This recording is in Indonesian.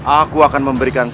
aku akan memberikan